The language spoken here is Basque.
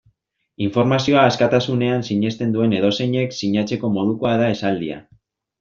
Informazioa askatasunean sinesten duen edozeinek sinatzeko modukoa da esaldia.